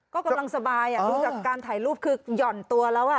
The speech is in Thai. ก็กำลังสบายดูจากการถ่ายรูปคือหย่อนตัวแล้ว